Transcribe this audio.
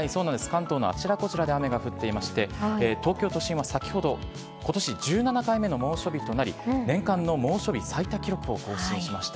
関東のあちらこちらで雨が降っていまして、東京都心は先ほどことし１７回目の猛暑日となり、年間の猛暑日最多記録を更新しました。